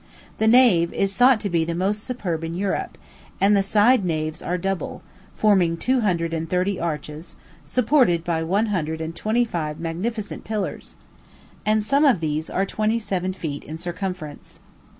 The nave is thought to be the most superb in Europe; and the side naves are double, forming two hundred and thirty arches, supported by one hundred and twenty five magnificent pillars, and some of these are twenty seven feet in circumference.